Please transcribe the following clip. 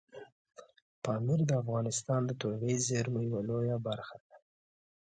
پامیر د افغانستان د طبیعي زیرمو یوه لویه برخه ده.